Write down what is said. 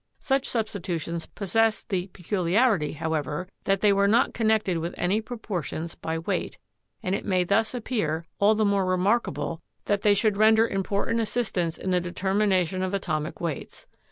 Such substi tutions possessed the peculiarity, however, that they were not connected with any proportions by weight, and it may thus appear all the more remarkable that they should 230 CHEMISTRY render important assistance in the determination of atomic weights.